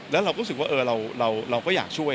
แล้วเราก็รู้สึกว่าเราก็อยากช่วย